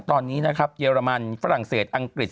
ตอนนี้นะครับเยอรมันฝรั่งเศสอังกฤษ